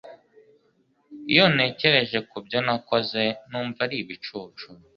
Iyo ntekereje ku byo nakoze numva ari ibicucu